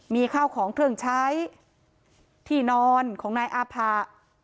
มีข้าวของเครื่องใช้ที่นอนของนายอาผะ